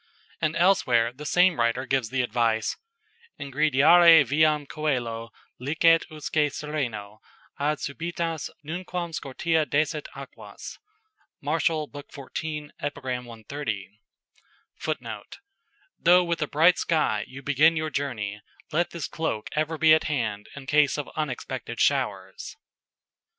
And elsewhere the same writer gives the advice: "Ingrediare viam coelo licet usque sereno Ad subitas nunquam scortea desit aquas." Man'., lib. xiv. Ep. 130. [Footnote: "Though with a bright sky you begin your journey, let this cloak ever be at hand in case of unexpected showers."